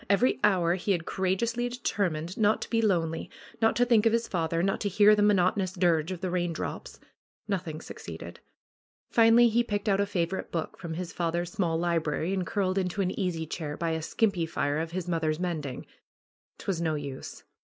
Every hour he had courageously determined not to be lonely, not to think of his father, not to hear the monoto nous dirge of the raindrops. Nothing succeeded. Finally he picked out a favorite book from his father's small library and curled into an easy chair by a skimpy fire of his mother's mending. 'Twas no use